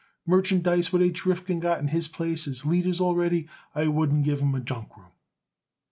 Merchandise what H. Rifkin got in his place as leaders already, I wouldn't give 'em junk room."